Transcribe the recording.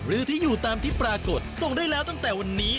หรือที่อยู่ตามที่ปรากฏส่งได้แล้วตั้งแต่วันนี้